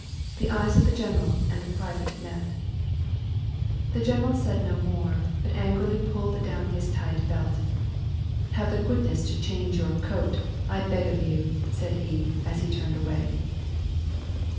The eyes of the general and the private met. The general said no more, but angrily pulled down his tight belt. " Have the goodness to change your coat, I beg of you," said he, as he turned away.